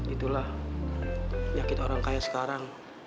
itulah yakin orang kaya sekarang